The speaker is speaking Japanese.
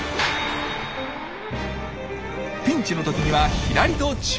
ピンチの時にはひらりと宙返り！